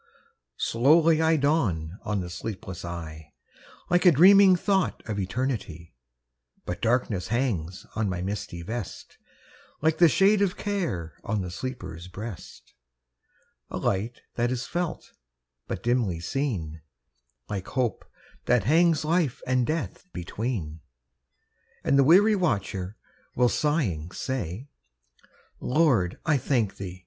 Slowly I dawn on the sleepless eye, Like a dreaming thought of eternity; But darkness hangs on my misty vest, Like the shade of care on the sleeper's breast; A light that is felt but dimly seen, Like hope that hangs life and death between; And the weary watcher will sighing say, "Lord, I thank thee!